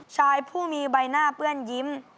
ชายผู้มีใบหน้าเปื้อนยิ้ม